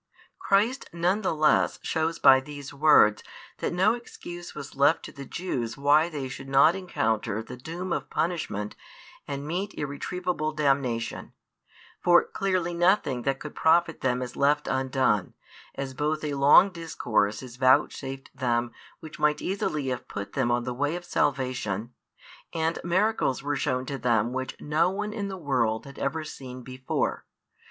Christ none the less shows by these words that no excuse was left to the Jews why they should not encounter the doom of punishment and meet irretrievable damnation For clearly nothing that could profit them is left undone, as both a long discourse is vouchsafed them which might easily have put them on the way of salvation, and miracles were shown to them which no one in the world had ever seen before.